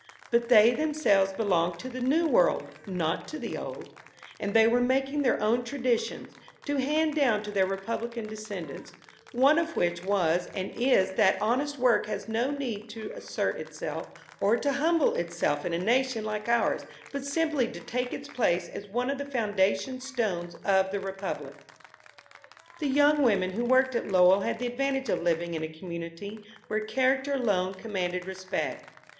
But they themselves belonged to the New World, not to the Old; and they were making their own traditions, to hand down to their Republican descendants one of which was and is that honest work has no need to assert itself or to humble itself in a nation like ours, but simply to take its place as one of the foundation stones of the Republic. The young women who worked at Lowell had the advantage of living in a community where character alone commanded respect.